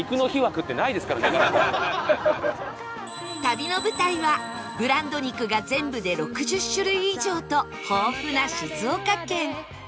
旅の舞台はブランド肉が全部で６０種類以上と豊富な静岡県